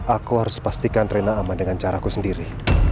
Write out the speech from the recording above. aku harus pastikan trena aman dengan caraku sendiri